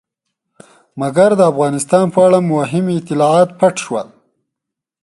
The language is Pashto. مګر د افغانستان په اړه مهم اطلاعات پټ شول.